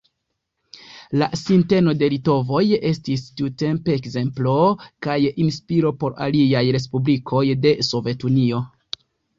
La sinteno de litovoj estis tiutempe ekzemplo kaj inspiro por aliaj respublikoj de Sovetunio.